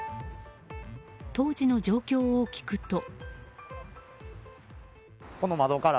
当時の状況を聞くと。